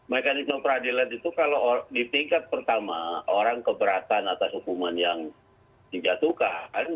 mekanisme peradilan itu kalau di tingkat pertama orang keberatan atas hukuman yang dijatuhkan